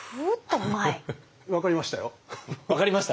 分かりましたよ！